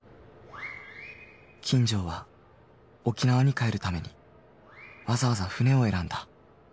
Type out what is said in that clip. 金城は沖縄に帰るためにわざわざ船を選んだ。